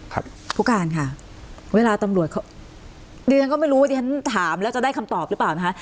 คุณภูการค่ะเวลามีคำถามแล้วจะได้คำตอบหรือเปล่า